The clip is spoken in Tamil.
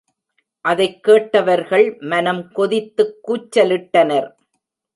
அதைக் கேட்டவர்கள் மனம் கொதித்துக் கூச்சலிட்டனர்!